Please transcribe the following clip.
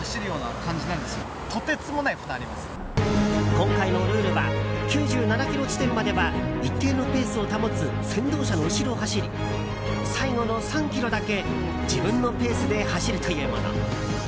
今回のルールは９７ｋｍ地点までは一定のペースを保つ先導車の後ろを走り最後の３ｋｍだけ自分のペースで走るというもの。